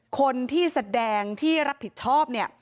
คนที่แสดงที่รับผิดชอบเนี่ย